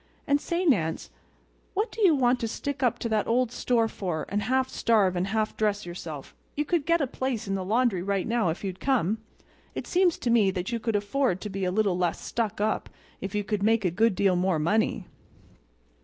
And say, Nance, what do you want to stick to that old store for, and half starve and half dress yourself? I could get you a place in the laundry right now if you'd come. It seems to me that you could afford to be a little less stuck up if you could make a good deal more money."